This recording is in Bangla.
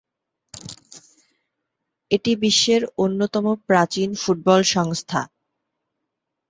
এটি বিশ্বের অন্যতম প্রাচীন ফুটবল সংস্থা।